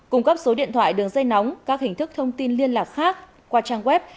cung cấp số điện thoại đường dây nóng các hình thức thông tin liên lạc khác qua trang web